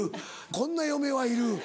こんな嫁はいる。